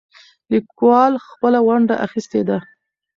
لیکوال خپله ونډه اخیستې ده.